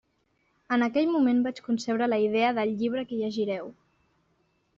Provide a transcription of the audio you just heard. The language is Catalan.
En aquell moment vaig concebre la idea del llibre que llegireu.